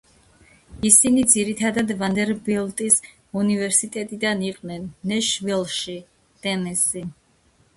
ისინი ძირითადად ვანდერბილტის უნივერსიტეტიდან იყვნენ, ნეშვილში, ტენესი.